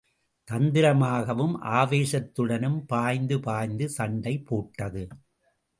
தந்திரமாகவும் ஆவேசத் துடனும் பாய்ந்து பாய்ந்து சண்டை போட்டது.